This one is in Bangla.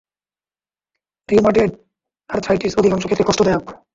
রিউমাটয়েড আর্থ্রাইটিস অধিকাংশ ক্ষেত্রে কষ্টদায়ক।